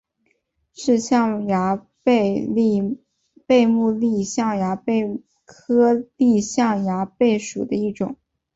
是象牙贝目丽象牙贝科丽象牙贝属的一种。